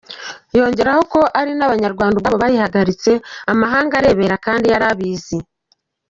Yongeyeho ko ari n’Abanyarwanda ubwabo bayihagaritse amahanga arebera kandi yari abizi.